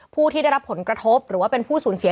ผู้ที่ได้รับผลกระทบหรือว่าเป็นผู้สูญเสีย